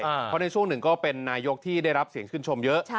เพราะในช่วงหนึ่งก็เป็นนายกที่ได้รับเสียงชื่นชมเยอะ